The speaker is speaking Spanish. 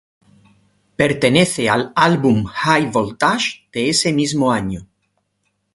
Pertenece al álbum High Voltage de ese mismo año.